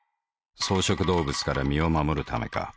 草食動物から身を護るためか。